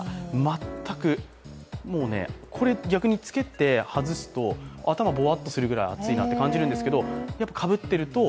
全く、もうね、これ逆につけて外すと、頭ぼわっとするぐらい暑いなと感じるんですけど、かぶってると